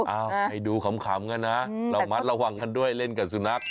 เอาให้ดูขำกันนะระมัดระวังกันด้วยเล่นกับสุนัข